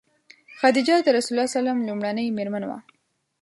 خدیجه د رسول الله ﷺ لومړنۍ مېرمن وه.